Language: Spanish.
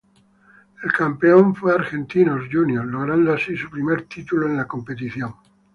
El campeón fue Argentinos Juniors, logrando así su primer título en la competición.